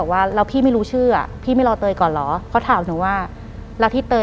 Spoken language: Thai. หลังจากนั้นเราไม่ได้คุยกันนะคะเดินเข้าบ้านอืม